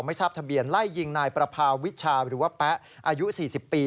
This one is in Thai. ไม่ทราบทะเบียนไล่ยิงนายประพาวิชาหรือว่าแป๊ะอายุ๔๐ปี